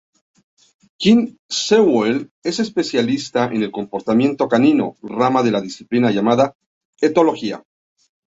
Ken Sewell es especialista en el comportamiento canino, rama de la disciplina llamada etología.